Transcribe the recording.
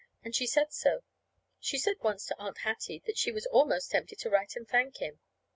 And she said so. She said once to Aunt Hattie that she was almost tempted to write and thank him.